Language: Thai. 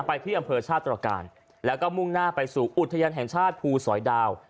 ไปที่อำเภอชาติตรการแล้วก็มุ่งหน้าไปสู่อุทยานแห่งชาติภูสอยดาว